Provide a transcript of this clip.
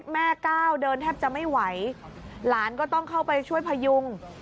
ก้าวเดินแทบจะไม่ไหวหลานก็ต้องเข้าไปช่วยพยุง